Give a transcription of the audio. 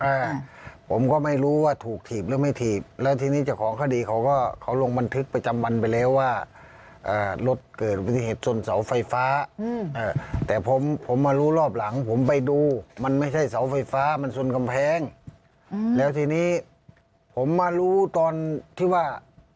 อ่ะผมก็ไม่รู้ว่าถูกถีบหรือไม่ถีบแล้วทีนี้เจ้าของคดีเขาก็ลงบันทึกประจำวันไปแล้วว่า